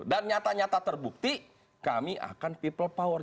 dan nyata nyata terbukti kami akan people power